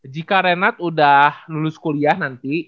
jika renat udah lulus kuliah nanti